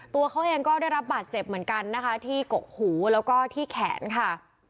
ตัวเขาเองก็ได้รับบาดเจ็บเหมือนกันนะคะที่กกหูแล้วก็ที่แขนค่ะ